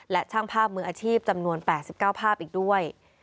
และช่างภาพมืออาชีพจำนวน๘๙ภาพอีกด้วย